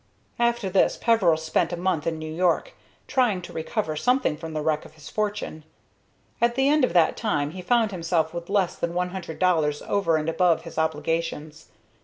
After this Peveril spent a month in New York, trying to recover something from the wreck of his fortune. At the end of that time he found himself with less than one hundred dollars over and above his obligations.